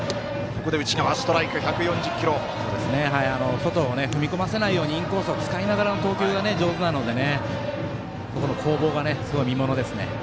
外、踏み込ませないようにインコースを使いながらの投球が上手なのでそこの攻防がすごい見ものですね。